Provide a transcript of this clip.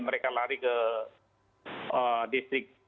mereka lari ke distrik bukit tengah